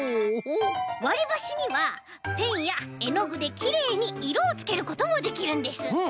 わりばしにはペンやえのぐできれいにいろをつけることもできるんです。